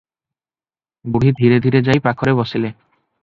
ବୁଢ଼ୀ ଧିରେ ଧିରେ ଯାଇ ପାଖରେ ବସିଲେ ।